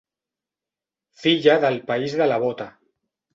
Filla del país de la bota.